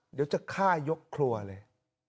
ฉันจะฆ่ายกครัวเลย